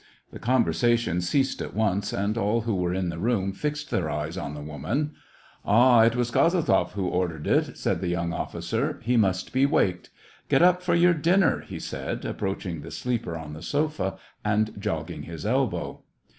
The conversation ceased at once, and all who were in the room fixed their eyes on the woman. Ah, it was Kozeltzoff who ordered it," said the young officer. " He must be waked. Get up for your dinner," he said, approaching the sleeper on the sofa, and jogging his elbow.